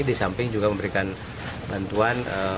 di samping juga memberikan bantuan